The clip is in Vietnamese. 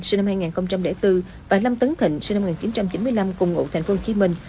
sinh năm hai nghìn bốn và lâm tấn thịnh sinh năm một nghìn chín trăm chín mươi năm cùng ngụ thành phố hồ chí minh